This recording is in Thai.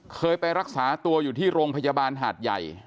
เคยไปรักษาตัวอยู่ที่โรงพยาบาลหาดใหญ่